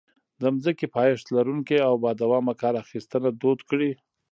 د ځمکې پایښت لرونکې او بادوامه کار اخیستنه دود کړي.